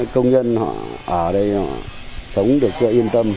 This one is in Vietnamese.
công dân họ ở đây họ sống được rồi yên tâm